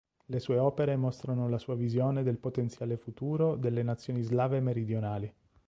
Le sue opere mostrano la sua visione del potenziale futuro delle nazioni slave meridionali.